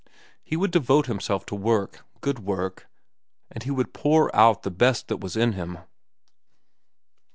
He would devote himself to work, good work, and he would pour out the best that was in him.